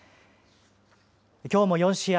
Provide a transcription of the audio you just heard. きょうも４試合